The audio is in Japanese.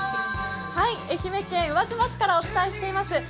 愛媛県宇和島市からお伝えしています。